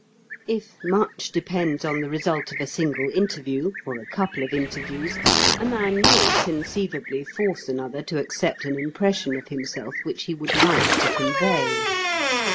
If much depends on the result of a single interview, or a couple of interviews, a man may conceivably force another to accept an impression of himself which he would like to convey.